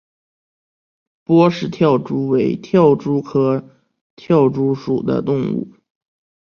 波氏跳蛛为跳蛛科跳蛛属的动物。